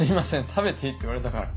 食べていいって言われたから。